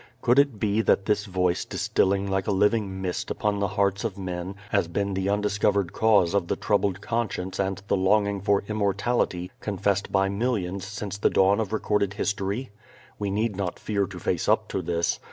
Could it be that this Voice distilling like a living mist upon the hearts of men has been the undiscovered cause of the troubled conscience and the longing for immortality confessed by millions since the dawn of recorded history? We need not fear to face up to this.